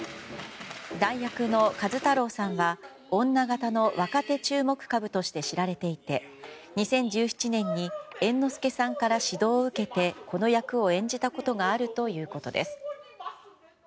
代役の壱太郎さんは女形の若手注目株として知られていて２０１７年に猿之助さんから指導を受けてこの役を演じたことがあるということです。